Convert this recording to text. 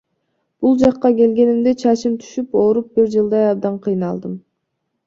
Бул жакка келгенимде чачым түшүп, ооруп бир жылдай абдан кыйналдым.